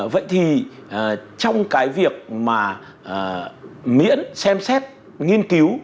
vậy thì trong cái việc mà miễn xem xét nghiên cứu